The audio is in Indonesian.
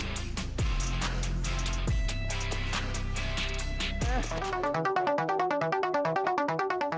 bata ekspos dianggap sebagai bentuk yang lebih mudah dibuat